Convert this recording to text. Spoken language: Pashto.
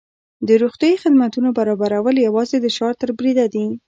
د روغتیايي خدمتونو برابرول یوازې د شعار تر بریده دي.